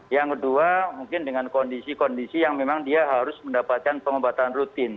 yang kedua mungkin dengan kondisi kondisi yang memang dia harus mendapatkan pengobatan rutin